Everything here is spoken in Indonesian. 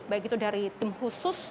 baik itu dari tim khusus